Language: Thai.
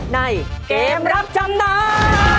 ในเกมรับจำนำ